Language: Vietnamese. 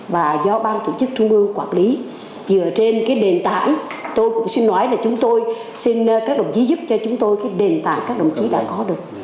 và do ban tổ chức trung ương quản lý dựa trên đền tảng tôi cũng xin nói là chúng tôi xin các đồng chí giúp cho chúng tôi đền tảng các đồng chí đã có được